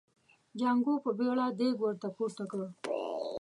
جانکو په بيړه دېګ ور پورته کړ.